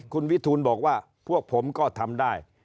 คุณวิทูลบอกว่าพวกผมก็ทำได้